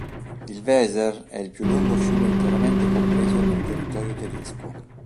Il Weser è il più lungo fiume interamente compreso nel territorio tedesco.